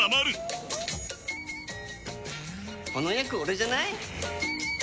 この役オレじゃない？